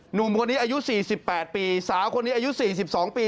หนุ่มคนนี้อายุ๔๘ปีสาวคนนี้อายุ๔๒ปี